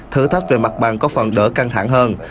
thử thách về mặt bằng có phần đỡ căng thẳng hơn